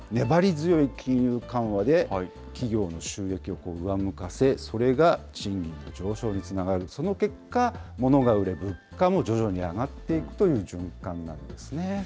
粘り強い金融緩和で、企業の収益を上向かせ、それが賃金の上昇につながる、その結果、物が売れて、物価も徐々に上がっていくという循環なんですね。